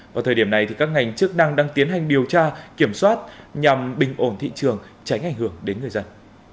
vào thời điểm này các ngành chức năng đang tiến hành điều tra kiểm soát nhằm bình ổn thị trường tránh ảnh hưởng đến người dân